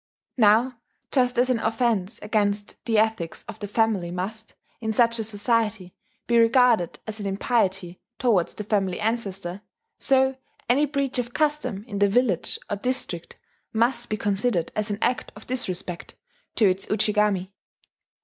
Now just as an offence against the ethics of the family must, in such a society, be regarded as an impiety towards the family ancestor, so any breach of custom in the village or district must be considered as an act of disrespect to its Ujigami.